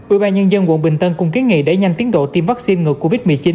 ủy ban nhân dân quận bình tân cũng kế nghị đẩy nhanh tiến độ tiêm vaccine ngược covid một mươi chín